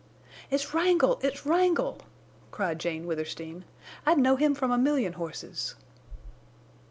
"It's Wrangle!... It's Wrangle!" cried Jane Withersteen. "I'd know him from a million horses!"